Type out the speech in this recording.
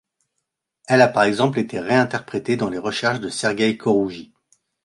Elle a par exemple été réinterprétée dans les recherches de Sergueï Khorouji.